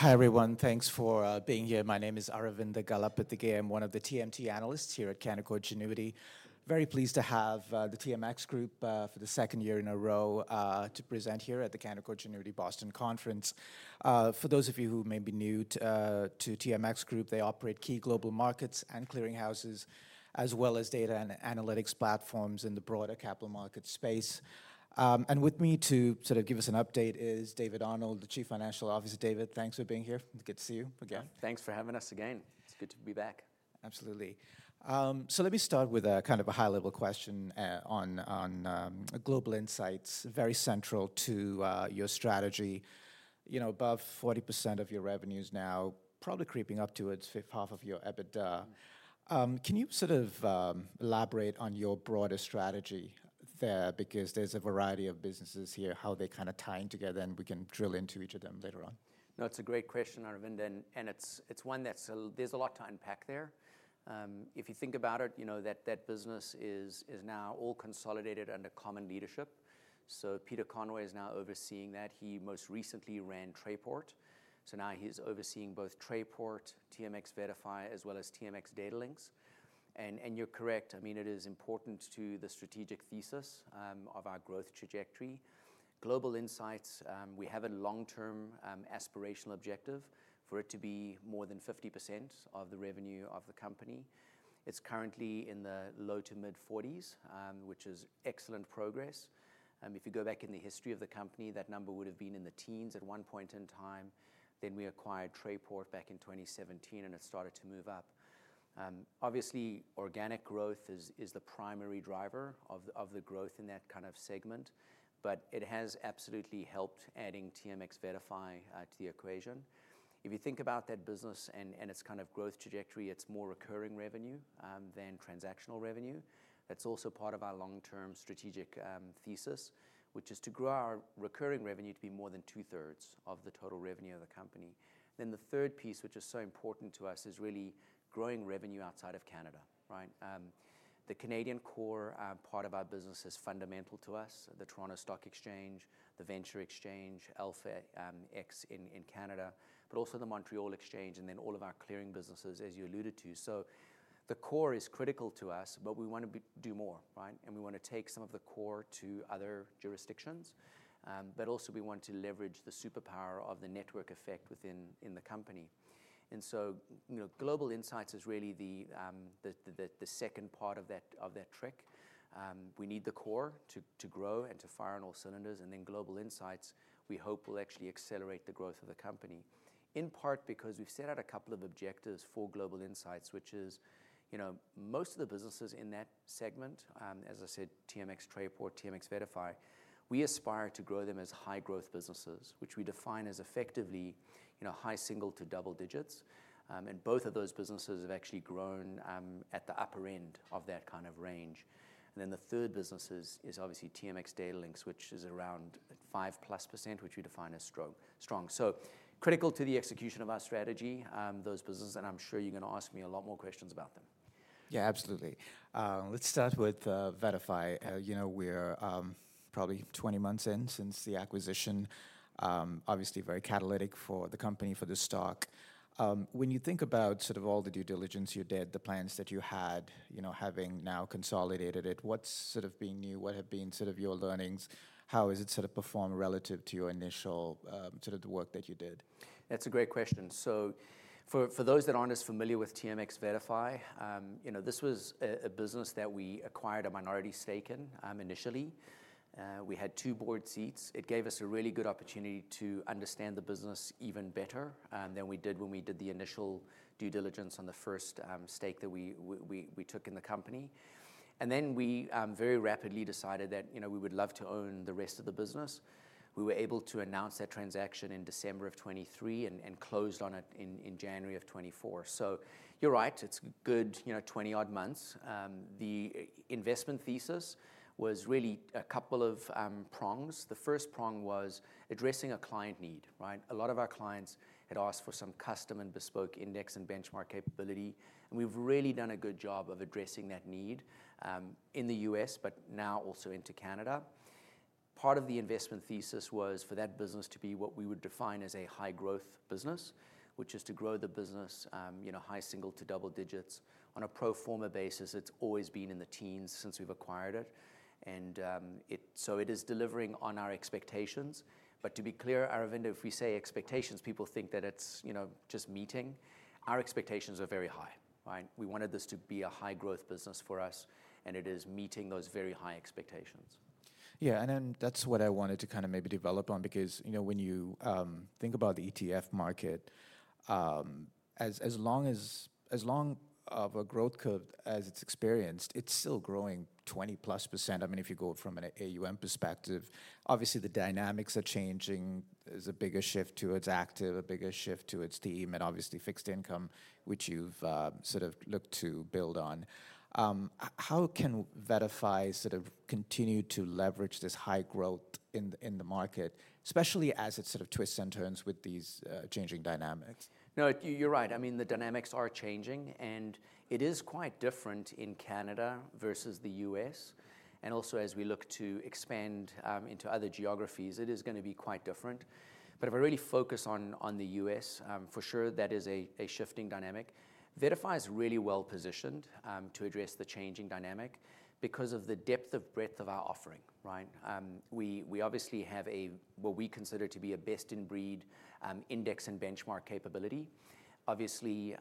Hi everyone, thanks for being here. My name is Aravinda Galappatthige, I'm one of the TMT analysts here at Canaccord Genuity. Very pleased to have the TMX Group for the second year in a row to present here at the Canaccord Genuity Boston Conference. For those of you who may be new to TMX Group, they operate key global markets and clearinghouses, as well as data and analytics platforms in the broader capital market space. With me to sort of give us an update is David Arnold, the Chief Financial Officer. David, thanks for being here. It's good to see you again. Thanks for having us again. It's good to be back. Absolutely. Let me start with a kind of a high-level question on Global Insights, very central to your strategy. You know, above 40% of your revenues now, probably creeping up towards half of your EBITDA. Can you sort of elaborate on your broader strategy there? Because there's a variety of businesses here, how they're kind of tying together, and we can drill into each of them later on. No, it's a great question, Aravinda, and it's one that there's a lot to unpack there. If you think about it, you know that that business is now all consolidated under common leadership. Peter Conroy is now overseeing that. He most recently ran TradePort. Now he's overseeing both TradePort, TMX Verify, as well as TMX DataLinks. You're correct. I mean, it is important to the strategic thesis of our growth trajectory. Global Insights, we have a long-term aspirational objective for it to be more than 50% of the revenue of the company. It's currently in the low to mid-40%, which is excellent progress. If you go back in the history of the company, that number would have been in the teens at one point in time. We acquired TradePort back in 2017, and it started to move up. Obviously, organic growth is the primary driver of the growth in that kind of segment, but it has absolutely helped adding TMX Verify to the equation. If you think about that business and its kind of growth trajectory, it's more recurring revenue than transactional revenue. That's also part of our long-term strategic thesis, which is to grow our recurring revenue to be more than two-thirds of the total revenue of the company. The third piece, which is so important to us, is really growing revenue outside of Canada, right? The Canadian core part of our business is fundamental to us, the Toronto Stock Exchange, the Venture Exchange, Alpha XUS in Canada, but also the Montreal Exchange, and then all of our clearing businesses, as you alluded to. The core is critical to us, but we want to do more, right? We want to take some of the core to other jurisdictions, but also we want to leverage the superpower of the network effect within the company. Global Insights is really the second part of that trick. We need the core to grow and to fire on all cylinders, and then Global Insights, we hope, will actually accelerate the growth of the company. In part because we've set out a couple of objectives for Global Insights, which is, you know, most of the businesses in that segment, as I said, TMX TradePort, TMX Verify, we aspire to grow them as high-growth businesses, which we define as effectively, you know, high single to double digits. Both of those businesses have actually grown at the upper end of that kind of range. The third business is obviously TMX DataLinks, which is around 5+%, which we define as strong. Critical to the execution of our strategy, those businesses, and I'm sure you're going to ask me a lot more questions about them. Yeah, absolutely. Let's start with Verify. You know, we're probably 20 months in since the acquisition. Obviously, very catalytic for the company, for the stock. When you think about all the due diligence you did, the plans that you had, having now consolidated it, what's being new? What have been your learnings? How has it performed relative to your initial work that you did? That's a great question. For those that aren't as familiar with TMX Verify, this was a business that we acquired a minority stake in initially. We had two board seats. It gave us a really good opportunity to understand the business even better than we did when we did the initial due diligence on the first stake that we took in the company. We very rapidly decided that we would love to own the rest of the business. We were able to announce that transaction in December of 2023 and closed on it in January of 2024. You're right, it's a good 20-odd months. The investment thesis was really a couple of prongs. The first prong was addressing a client need, right? A lot of our clients had asked for some custom and bespoke index and benchmark capability. We've really done a good job of addressing that need in the U.S., but now also into Canada. Part of the investment thesis was for that business to be what we would define as a high-growth business, which is to grow the business high single to double digits. On a pro forma basis, it's always been in the teens since we've acquired it. It is delivering on our expectations. To be clear, Aravinda, if we say expectations, people think that it's just meeting. Our expectations are very high, right? We wanted this to be a high-growth business for us, and it is meeting those very high expectations. Yeah, that's what I wanted to kind of maybe develop on because, you know, when you think about the ETF market, as long of a growth curve as it's experienced, it's still growing 20+%. I mean, if you go from an AUM perspective, obviously the dynamics are changing. There's a bigger shift towards active, a bigger shift towards team, and obviously fixed income, which you've sort of looked to build on. How can TMX Verify sort of continue to leverage this high growth in the market, especially as it sort of twists and turns with these changing dynamics? No, you're right. I mean, the dynamics are changing, and it is quite different in Canada versus the U.S. Also, as we look to expand into other geographies, it is going to be quite different. If I really focus on the U.S., for sure, that is a shifting dynamic. TMX Verify is really well positioned to address the changing dynamic because of the depth and breadth of our offering, right? We obviously have what we consider to be a best-in-breed index and benchmark capability. Obviously,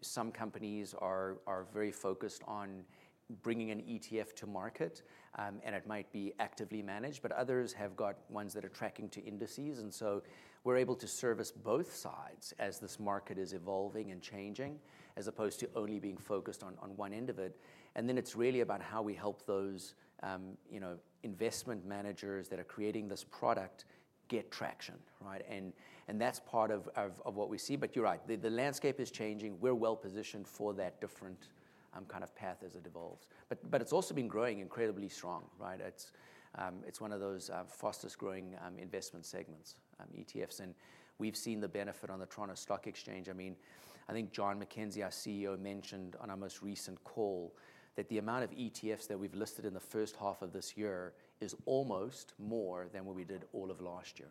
some companies are very focused on bringing an ETF to market, and it might be actively managed, but others have got ones that are tracking to indices. We are able to service both sides as this market is evolving and changing, as opposed to only being focused on one end of it. It is really about how we help those investment managers that are creating this product get traction, right? That is part of what we see. You're right, the landscape is changing. We're well positioned for that different kind of path as it evolves. It has also been growing incredibly strong, right? It is one of those fastest growing investment segments, ETFs. We have seen the benefit on the Toronto Stock Exchange. I think John McKenzie, our CEO, mentioned on our most recent call that the amount of ETFs that we've listed in the first half of this year is almost more than what we did all of last year.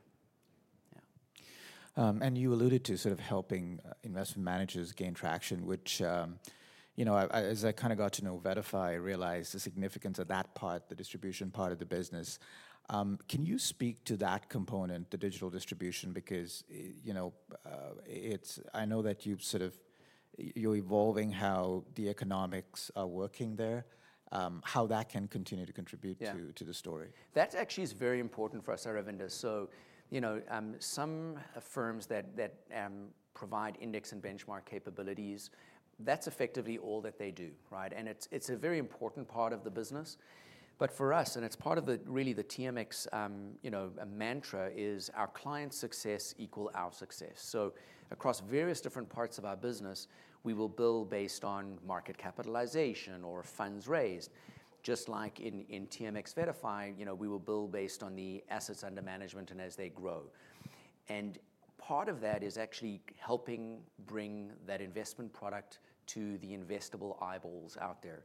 You alluded to sort of helping investment managers gain traction, which, as I kind of got to know TMX Verify, I realized the significance of that part, the distribution part of the business. Can you speak to that component, the digital distribution? I know that you've sort of, you're evolving how the economics are working there, how that can continue to contribute to the story. That actually is very important for us, Aravinda. Some firms that provide index and benchmark capabilities, that's effectively all that they do, right? It's a very important part of the business. For us, and it's part of really the TMX mantra, our client's success equals our success. Across various different parts of our business, we will build based on market capitalization or funds raised. Just like in TMX Verify, we will build based on the assets under management and as they grow. Part of that is actually helping bring that investment product to the investable eyeballs out there.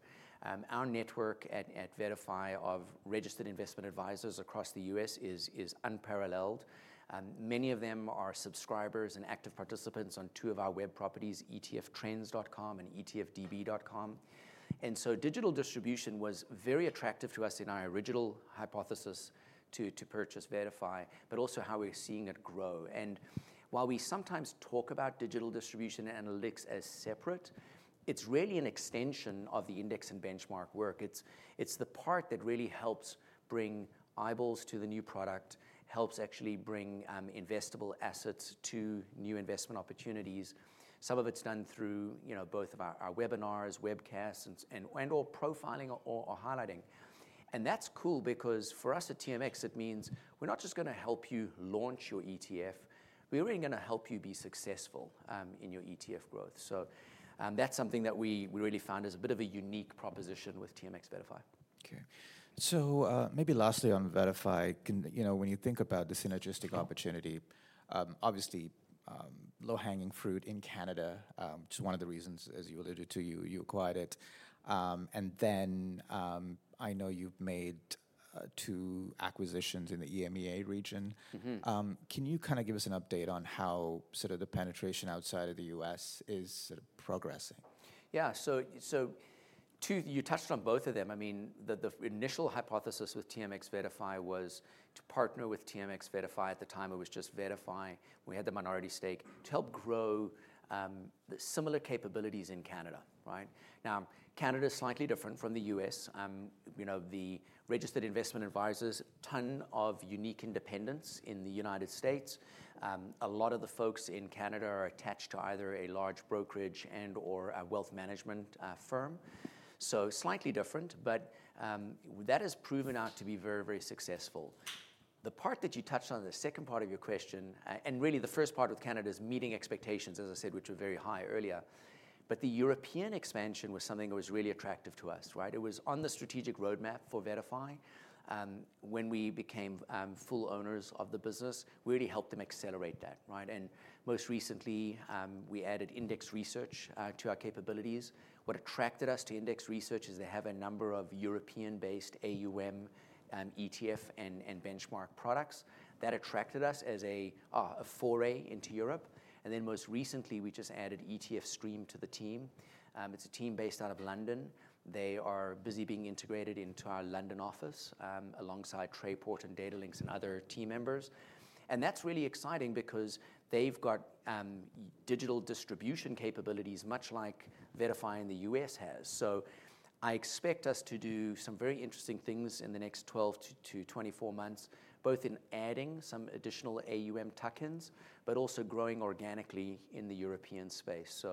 Our network at TMX Verify of registered investment advisors across the U.S. is unparalleled. Many of them are subscribers and active participants on two of our web properties, ETFtrends.com and ETFDB.com. Digital distribution was very attractive to us in our original hypothesis to purchase TMX Verify, but also how we're seeing it grow. While we sometimes talk about digital distribution and analytics as separate, it's really an extension of the index and benchmark work. It's the part that really helps bring eyeballs to the new product, helps actually bring investable assets to new investment opportunities. Some of it's done through both of our webinars, webcasts, and/or profiling or highlighting. That's cool because for us at TMX, it means we're not just going to help you launch your ETF. We're really going to help you be successful in your ETF growth. That's something that we really found is a bit of a unique proposition with TMX Verify. Okay. Maybe lastly on Verify, when you think about the synergistic opportunity, obviously, low-hanging fruit in Canada, which is one of the reasons, as you alluded to, you acquired it. I know you've made two acquisitions in the EMEA region. Can you kind of give us an update on how the penetration outside of the U.S. is progressing? Yeah, you touched on both of them. I mean, the initial hypothesis with TMX Verify was to partner with TMX Verify. At the time, it was just Verify. We had the minority stake to help grow similar capabilities in Canada, right? Now, Canada is slightly different from the U.S. You know, the registered investment advisors, a ton of unique independents in the United States. A lot of the folks in Canada are attached to either a large brokerage and/or a wealth management firm. Slightly different, but that has proven out to be very, very successful. The part that you touched on, the second part of your question, and really the first part with Canada is meeting expectations, as I said, which are very high earlier. The European expansion was something that was really attractive to us, right? It was on the strategic roadmap for Verify. When we became full owners of the business, we really helped them accelerate that, right? Most recently, we added Index Research to our capabilities. What attracted us to Index Research is they have a number of European-based AUM ETF and benchmark products. That attracted us as a foray into Europe. Most recently, we just added ETF Stream to the team. It's a team based out of London. They are busy being integrated into our London office alongside TradePort and Data Links and other team members. That's really exciting because they've got digital distribution capabilities much like Verify in the U.S. has. I expect us to do some very interesting things in the next 12 to 24 months, both in adding some additional AUM tokens, but also growing organically in the European space.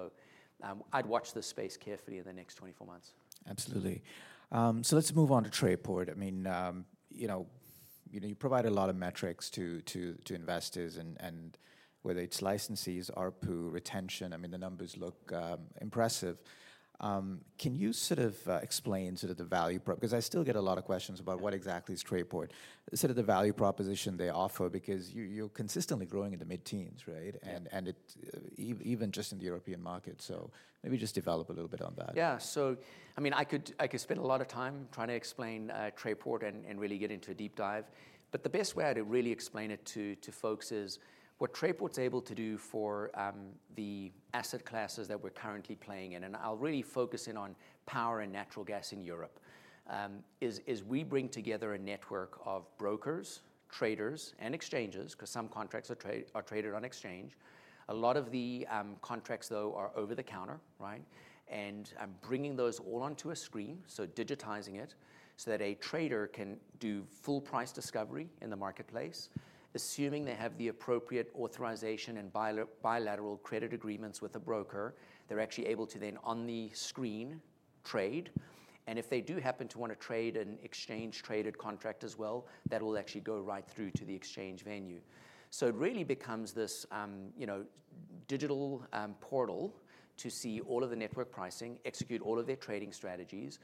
I'd watch this space carefully in the next 24 months. Absolutely. Let's move on to TradePort. You provide a lot of metrics to investors, and whether it's licensees, ARPU, retention, the numbers look impressive. Can you explain the value proposition? I still get a lot of questions about what exactly is TradePort, the value proposition they offer, because you're consistently growing in the mid-teens, right? Even just in the European market, maybe just develop a little bit on that. Yeah, so I mean, I could spend a lot of time trying to explain TradePort and really get into a deep dive. The best way to really explain it to folks is what TradePort is able to do for the asset classes that we're currently playing in. I'll really focus in on power and natural gas in Europe. We bring together a network of brokers, traders, and exchanges, because some contracts are traded on exchange. A lot of the contracts, though, are over the counter, right? I'm bringing those all onto a screen, so digitizing it, so that a trader can do full price discovery in the marketplace, assuming they have the appropriate authorization and bilateral credit agreements with a broker. They're actually able to then on the screen trade. If they do happen to want to trade an exchange-traded contract as well, that will actually go right through to the exchange venue. It really becomes this digital portal to see all of the network pricing, execute all of their trading strategies.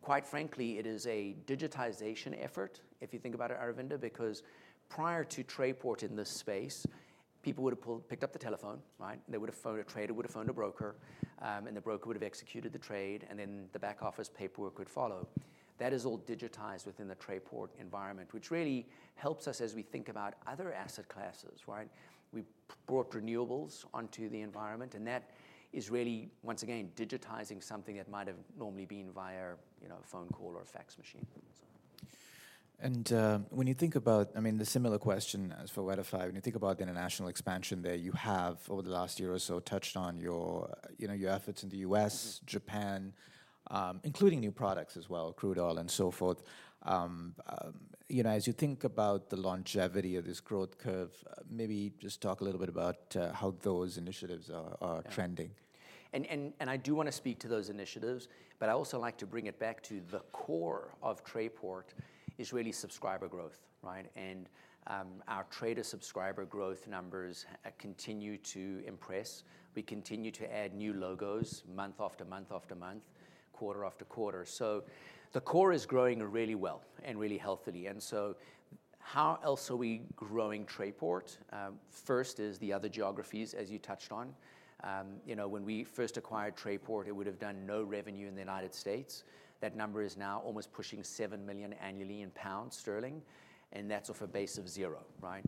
Quite frankly, it is a digitization effort, if you think about it, Aravinda, because prior to TradePort in this space, people would have picked up the telephone, right? They would have phoned a trader, would have phoned a broker, and the broker would have executed the trade, and then the back office paperwork would follow. That is all digitized within the TradePort environment, which really helps us as we think about other asset classes, right? We brought renewables onto the environment, and that is really, once again, digitizing something that might have normally been via a phone call or a fax machine. When you think about, I mean, the similar question as for TMX Verify, when you think about the international expansion there, you have over the last year or so touched on your efforts in the U.S., Japan, including new products as well, crude oil and so forth. As you think about the longevity of this growth curve, maybe just talk a little bit about how those initiatives are trending. I do want to speak to those initiatives, but I also like to bring it back to the core of TradePort is really subscriber growth, right? Our trader subscriber growth numbers continue to impress. We continue to add new logos month after month after month, quarter after quarter. The core is growing really well and really healthily. How else are we growing TradePort? First is the other geographies, as you touched on. You know, when we first acquired TradePort, it would have done no revenue in the U.S. That number is now almost pushing 7 million annually. That's off a base of zero, right?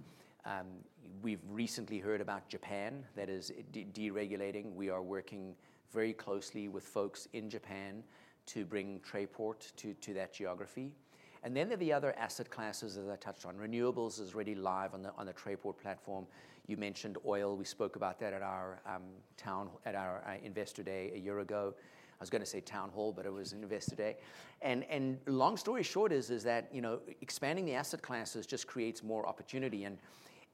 We've recently heard about Japan that is deregulating. We are working very closely with folks in Japan to bring TradePort to that geography. The other asset classes that I touched on, renewables is really live on the TradePort platform. You mentioned oil. We spoke about that at our investor day a year ago. I was going to say town hall, but it was an investor day. Long story short is that expanding the asset classes just creates more opportunity.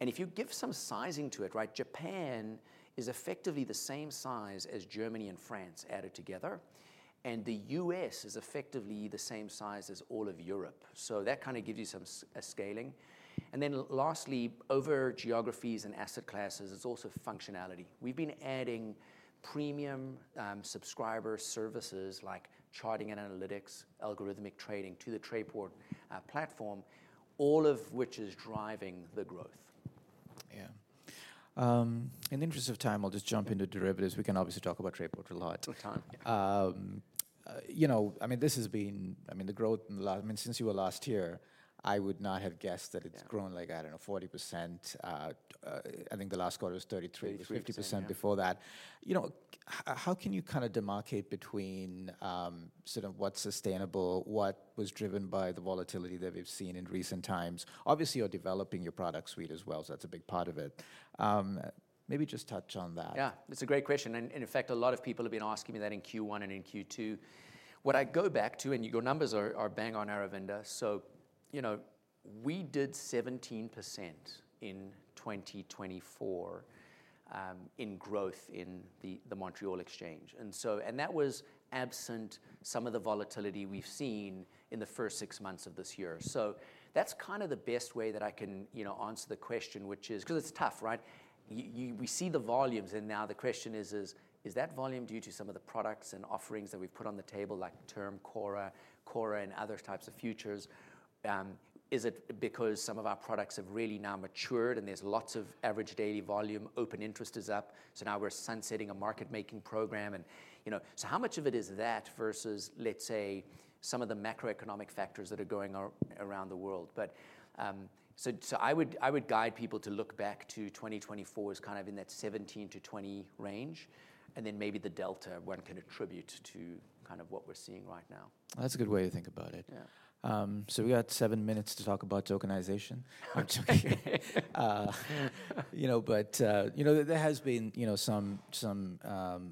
If you give some sizing to it, right, Japan is effectively the same size as Germany and France added together. The U.S. is effectively the same size as all of Europe. That kind of gives you some scaling. Lastly, over geographies and asset classes, it's also functionality. We've been adding premium subscriber services like charting and analytics, algorithmic trading to the TradePort platform, all of which is driving the growth. Yeah. In the interest of time, I'll just jump into derivatives. We can obviously talk about TradePort a lot. We can. This has been, I mean, the growth in the last, since you were last here, I would not have guessed that it's grown like, I don't know, 40%. I think the last quarter was 33%, 50% before that. How can you kind of demarcate between sort of what's sustainable, what was driven by the volatility that we've seen in recent times? Obviously, you're developing your product suite as well, so that's a big part of it. Maybe just touch on that. Yeah, it's a great question. In fact, a lot of people have been asking me that in Q1 and in Q2. What I go back to, and your numbers are bang on, Aravinda, we did 17% in 2024 in growth in the Montreal Exchange. That was absent some of the volatility we've seen in the first six months of this year. That's kind of the best way that I can answer the question, which is, because it's tough, right? We see the volumes, and now the question is, is that volume due to some of the products and offerings that we've put on the table, like Term, CORRA, CORRA, and other types of futures? Is it because some of our products have really now matured and there's lots of average daily volume, open interest is up? Now we're sunsetting a market-making program. How much of it is that versus, let's say, some of the macroeconomic factors that are going on around the world? I would guide people to look back to 2024 as kind of in that 17%-20% range. Maybe the delta one can attribute to kind of what we're seeing right now. That's a good way to think about it. Yeah. We got seven minutes to talk about tokenization. There has been some,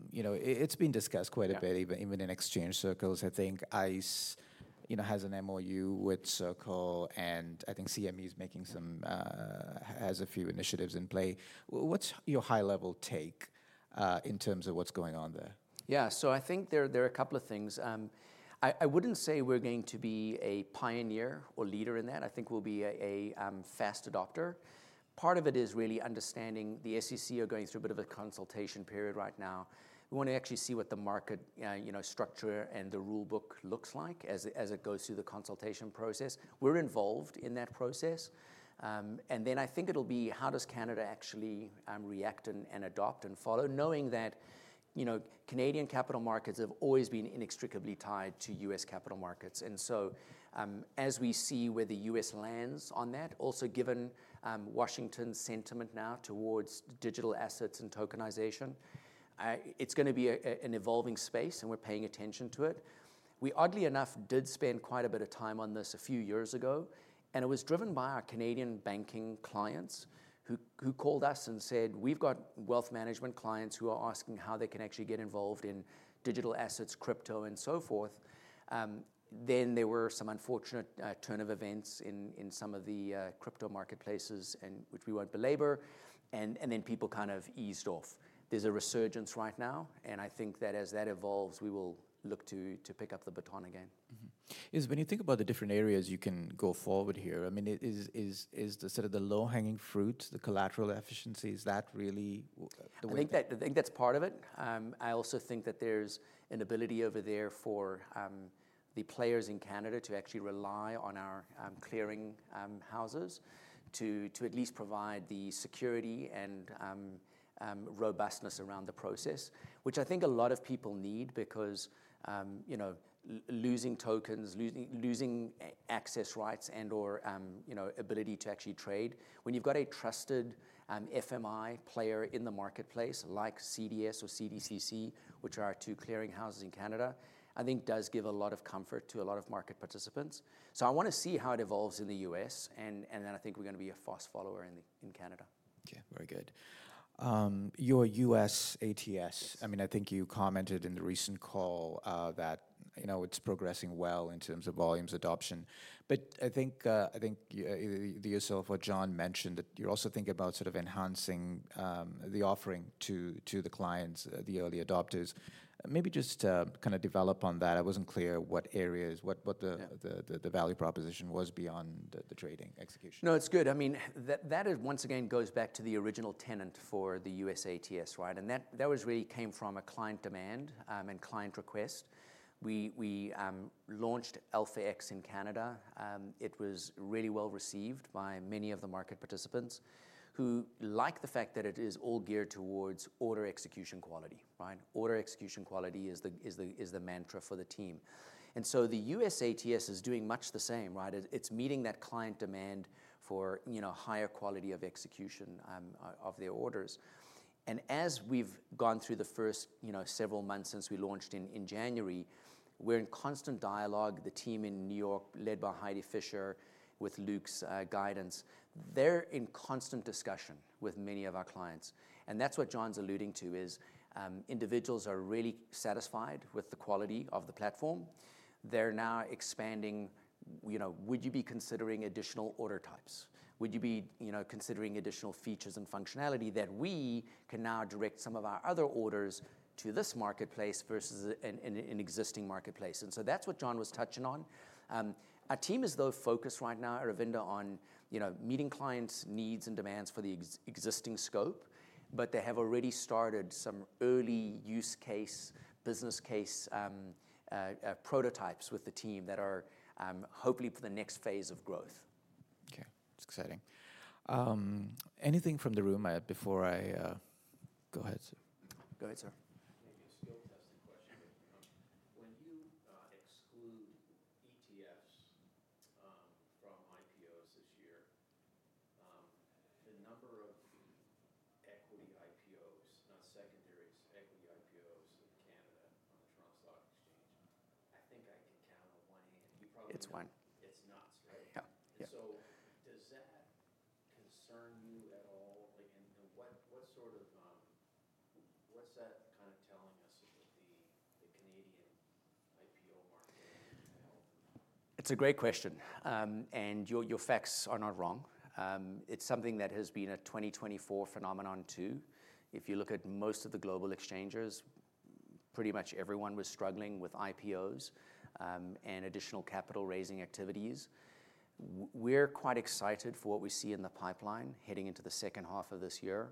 it's been discussed quite a bit, even in exchange circles. I think ICE has an MOU with Circle, and I think CME is making some, has a few initiatives in play. What's your high-level take in terms of what's going on there? Yeah, so I think there are a couple of things. I would not say we are going to be a pioneer or leader in that. I think we will be a fast adopter. Part of it is really understanding the SEC are going through a bit of a consultation period right now. We want to actually see what the market structure and the rulebook looks like as it goes through the consultation process. We are involved in that process. I think it will be how does Canada actually react and adopt and follow, knowing that Canadian capital markets have always been inextricably tied to U.S. capital markets. As we see where the U.S. lands on that, also given Washington's sentiment now towards digital assets and tokenization, it is going to be an evolving space, and we are paying attention to it. We oddly enough did spend quite a bit of time on this a few years ago, and it was driven by our Canadian banking clients who called us and said, we have got wealth management clients who are asking how they can actually get involved in digital assets, crypto, and so forth. There were some unfortunate turn of events in some of the crypto marketplaces, which we will not belabor, and people kind of eased off. There is a resurgence right now, and I think that as that evolves, we will look to pick up the baton again. When you think about the different areas you can go forward here, is the sort of the low-hanging fruit, the collateral efficiency, is that really the way? I think that's part of it. I also think that there's an ability over there for the players in Canada to actually rely on our clearinghouses to at least provide the security and robustness around the process, which I think a lot of people need because, you know, losing tokens, losing access rights, and/or, you know, ability to actually trade. When you've got a trusted FMI player in the marketplace, like CDS or CDCC, which are our two clearinghouses in Canada, I think does give a lot of comfort to a lot of market participants. I want to see how it evolves in the U.S., and then I think we're going to be a fast follower in Canada. Okay, very good. Your U.S. ATS, I mean, I think you commented in the recent call that it's progressing well in terms of volumes adoption. I think the use of what John mentioned, that you're also thinking about sort of enhancing the offering to the clients, the early adopters. Maybe just kind of develop on that. I wasn't clear what areas, what the value proposition was beyond the trading execution. No, it's good. I mean, that once again goes back to the original tenet for the U.S. ATS, right? That really came from a client demand and client request. We launched Alpha X in Canada. It was really well received by many of the market participants who like the fact that it is all geared towards order execution quality, right? Order execution quality is the mantra for the team. The U.S. ATS is doing much the same, right? It's meeting that client demand for higher quality of execution of their orders. As we've gone through the first several months since we launched in January, we're in constant dialogue. The team in New York, led by Heidi Fisher, with Luke's guidance, are in constant discussion with many of our clients. That's what John's alluding to, individuals are really satisfied with the quality of the platform. They're now expanding, would you be considering additional order types? Would you be considering additional features and functionality that we can now direct some of our other orders to this marketplace versus an existing marketplace? That's what John was touching on. Our team is focused right now, Aravinda, on meeting clients' needs and demands for the existing scope, but they have already started some early use case, business case prototypes with the team that are hopefully for the next phase of growth. Okay, it's exciting. Anything from the room before I go ahead, sir? Go ahead, sir. When you exclude ETFs from IPOs this year, the number of the equity IPOs, not secondaries, equity IPOs in Canada on the Toronto Stock Exchange, I think I can count on one hand. It's one. It's nuts, right? Yeah. Does that concern you at all? What sort of, what's that kind of telling? It's a great question. Your facts are not wrong. It's something that has been a 2024 phenomenon too. If you look at most of the global exchanges, pretty much everyone was struggling with IPOs and additional capital raising activities. We're quite excited for what we see in the pipeline heading into the second half of this year.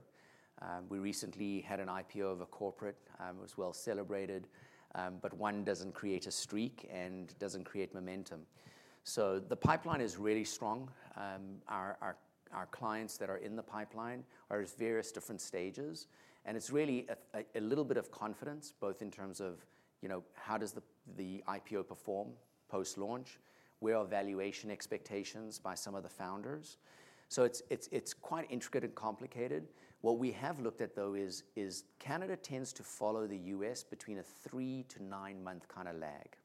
We recently had an IPO of a corporate that was well celebrated, but one doesn't create a streak and doesn't create momentum. The pipeline is really strong. Our clients that are in the pipeline are at various different stages, and it's really a little bit of confidence, both in terms of, you know, how does the IPO perform post-launch? Where are valuation expectations by some of the founders? It's quite intricate and complicated. What we have looked at, though, is Canada tends to follow the U.S. between a three to nine-month kind of lag.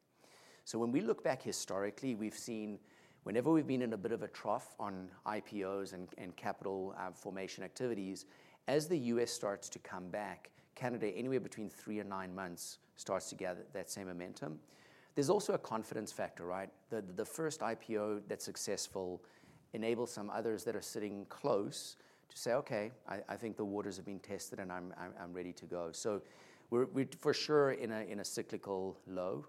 When we look back historically, we've seen whenever we've been in a bit of a trough on IPOs and capital formation activities, as the U.S. starts to come back, Canada anywhere between three and nine months starts to gather that same momentum. There's also a confidence factor, right? The first IPO that's successful enables some others that are sitting close to say, okay, I think the waters are being tested and I'm ready to go. We're for sure in a cyclical low.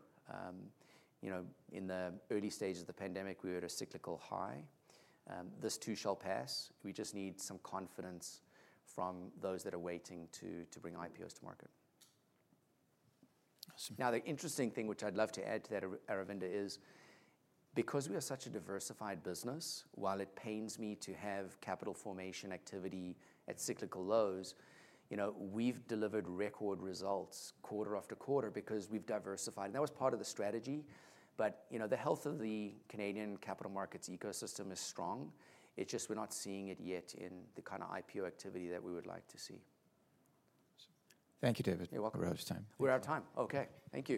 In the early stages of the pandemic, we were at a cyclical high. This too shall pass. We just need some confidence from those that are waiting to bring IPOs to market. The interesting thing, which I'd love to add to that, Aravinda, is because we are such a diversified business, while it pains me to have capital formation activity at cyclical lows, we've delivered record results quarter after quarter because we've diversified. That was part of the strategy. The health of the Canadian capital markets ecosystem is strong. It's just we're not seeing it yet in the kind of IPO activity that we would like to see. Thank you, David. You're welcome. We're out of time. We're out of time. Okay, thank you.